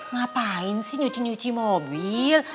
ngapain sih nyuci nyuci mobil